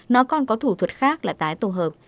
nó còn có thủ thuật khác là tái tổ hợp